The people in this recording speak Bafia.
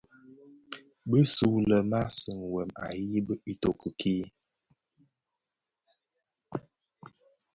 Bisulè maa seňi wêm a yibi itoki kii.